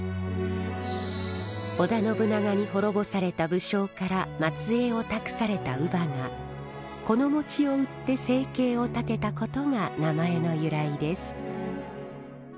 織田信長に滅ぼされた武将から末裔を託された乳母がこの餅を売って生計を立てたことが名前の由来です。